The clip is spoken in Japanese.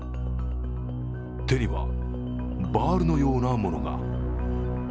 手にはバールのようなものが。